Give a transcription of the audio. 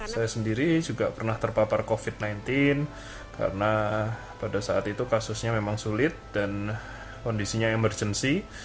saya sendiri juga pernah terpapar covid sembilan belas karena pada saat itu kasusnya memang sulit dan kondisinya emergency